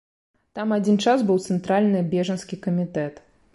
Там адзін час быў цэнтральны бежанскі камітэт.